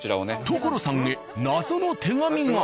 所さんへ謎の手紙が。